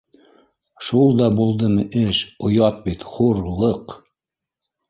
Шул да булдымы эш? Оят бит, хур- Лыҡ